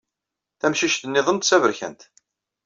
Tamcict-nniḍen d taberkant.